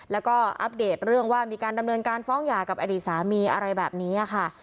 แล้วก็อัปเดตเรื่องว่ามีการดำเนินการฟ้องหย่ากับอดีตสามีอะไรแบบนี้ค่ะ